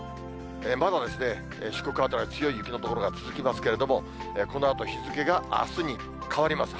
まだですね、四国辺りは強い雪の所が続きますけれども、このあと日付があすに変わります。